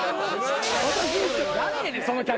誰やねんその客。